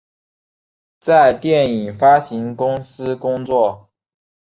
在电影发行公司工作。